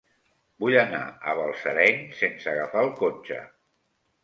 Vull anar a Balsareny sense agafar el cotxe.